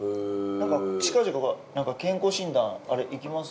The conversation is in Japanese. なんか近々健康診断あれ行きます？